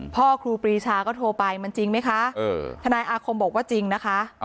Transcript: ครูปรีชาก็โทรไปมันจริงไหมคะทนายอาคมบอกว่าจริงนะคะ